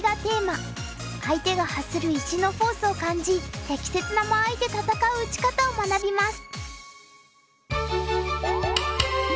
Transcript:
相手が発する石のフォースを感じ適切な間合いで戦う打ち方を学びます。